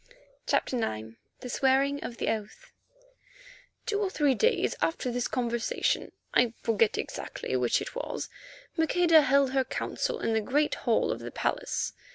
CHAPTER IX. THE SWEARING OF THE OATH Two or three days after this conversation, I forget exactly which it was, Maqueda held her council in the great hall of the palace.